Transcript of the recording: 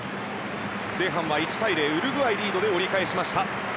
前半は１対０とウルグアイリードで折り返しました。